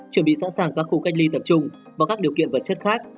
chuẩn bị sẵn sàng các khu cách ly tập trung và các điều kiện vật chất khác